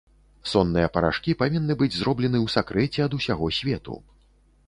Сонныя парашкі павінны быць зроблены ў сакрэце ад усяго свету.